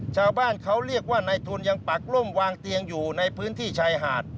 ชาวบ้านเขาเรียกว่าในทุนยังปักล่มวางเตียงอยู่ในพื้นที่ชายหาด